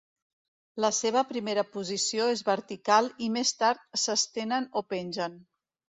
La seva primera posició és vertical i més tard s'estenen o pengen.